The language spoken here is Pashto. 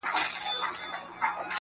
د پلټني سندرماره شـاپـيـرۍ يــارانــو~